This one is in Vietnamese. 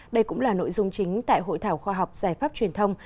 đây cũng là nội dung chính tại hội thảo khoa học giải pháp truyền thông